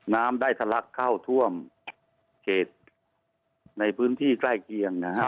น้ำได้ทะลักเข้าท่วมเขตในพื้นที่ใกล้เคียงนะฮะ